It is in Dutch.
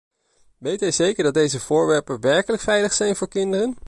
Weet hij zeker dat deze voorwerpen werkelijk veilig zijn voor kinderen?